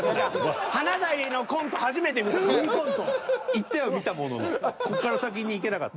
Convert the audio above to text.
行ってはみたもののこっから先に行けなかった。